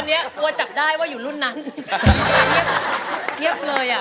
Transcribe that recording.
ไม่ช่วยเลย